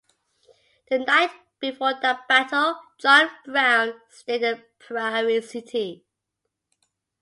The night before that battle, John Brown stayed in Prairie City.